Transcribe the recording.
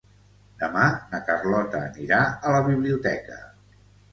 Demà na Carlota anirà a la biblioteca.